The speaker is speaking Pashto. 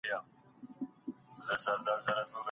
موږ د اوږده اتڼ لپاره هره ورځ ډوډۍ راوړو.